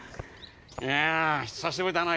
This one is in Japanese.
いや久しぶりだな。